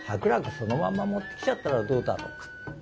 そのまんま持ってきちゃったらどうだろうか。